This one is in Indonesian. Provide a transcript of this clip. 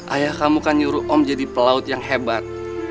ayah kamu kan nyuruh om jadi pelaut yang hebat